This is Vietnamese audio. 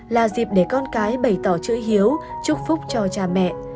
là dịp để con cái bày tỏ chữ hiếu chúc phúc cho cha mẹ